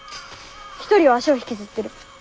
１人は足を引きずってる。